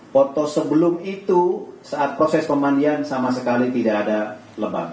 foto sebelum itu saat proses pemandian sama sekali tidak ada lebam